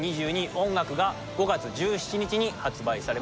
音楽」が５月１７日に発売されます